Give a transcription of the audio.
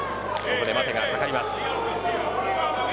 ここで待てがかかります。